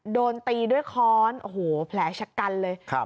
โดนตีด้วยค้อนโอ้โหแผลชะกันเลยครับ